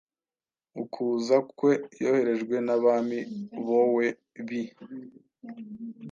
Ukuza kwe, yoherejwe nabami boe bii